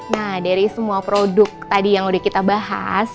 nah dari semua produk tadi yang udah kita bahas